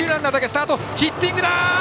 ヒッティングだ！